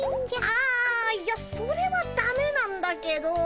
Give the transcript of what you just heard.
あいやそれはだめなんだけど。